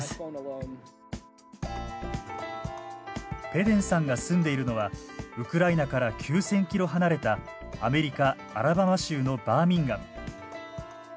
ペデンさんが住んでいるのはウクライナから９，０００キロ離れたアメリカ・アラバマ州のバーミンガム。